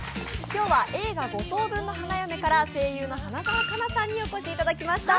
今日は映画「五等分の花嫁」から声優の花澤香菜さんにお越しいただきました。